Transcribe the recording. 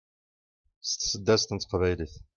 s tseddast n teqbaylit